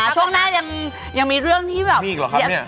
ช่วงหน้ายังมีเรื่องที่แบบมีอีกเหรอครับเนี่ย